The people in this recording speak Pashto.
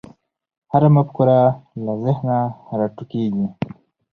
هره مفکوره له ذهنه راټوکېږي.